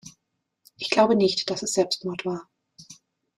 Ich glaube nicht, dass es Selbstmord war.